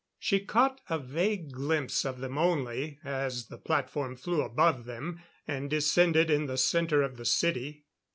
She caught a vague glimpse of them only, as the platform flew above them and descended in the center of the city.